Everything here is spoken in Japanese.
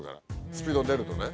スピード出るとね。